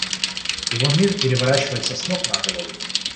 Его мир переворачивается с ног на голову